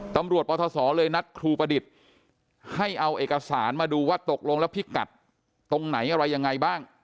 ปทศเลยนัดครูประดิษฐ์ให้เอาเอกสารมาดูว่าตกลงแล้วพิกัดตรงไหนอะไรยังไงบ้าง